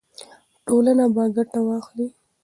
ټولنه به ګټه واخلي.